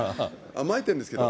甘えてるんですけど。